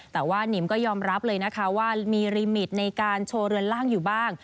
แต่ว่านิมก็ยอมรับเลยนะคะว่ามีรีมิตในการโชว์เรือนล่างอยู่บ้าง